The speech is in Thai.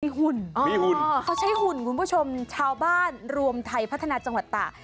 มีหุ่นมีหุ่นเขาใช้หุ่นคุณผู้ชมชาวบ้านรวมไทยพัฒนาจังหวัดตาก